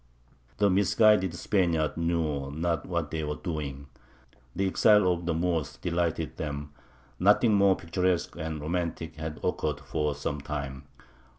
The misguided Spaniards knew not what they were doing. The exile of the Moors delighted them; nothing more picturesque and romantic had occurred for some time.